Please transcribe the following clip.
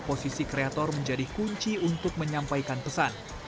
posisi kreator menjadi kunci untuk menyampaikan pesan